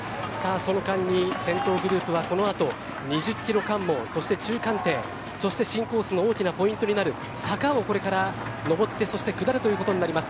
その間に先頭グループはこのあと２０キロ関門そして中間点そして新コースの大きなポイントになる坂をこれから上ってそして下るということになります。